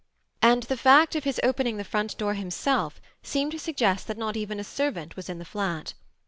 And the fact of his opening the front door himself seemed to suggest that not even a servant was in the flat.